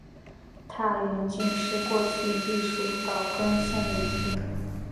大原郡是过去隶属岛根县的一郡。